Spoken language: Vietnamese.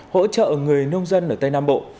hỗ trợ người nông dân ở tây nam bộ